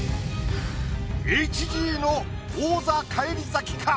ＨＧの王座返り咲きか？